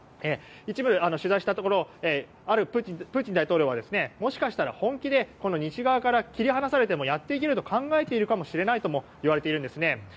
一部、取材したところプーチン大統領はもしかしたら本気で西側から切り離されてもやっていけると考えているかもしれないともいわれているんですね。